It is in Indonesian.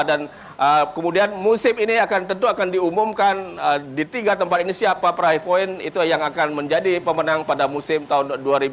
dan kemudian musim ini akan tentu akan diumumkan di tiga tempat ini siapa pria poin itu yang akan menjadi pemenang pada musim tahun dua ribu dua puluh tiga